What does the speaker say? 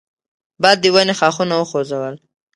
باد د ونې ښاخونه وخوځول.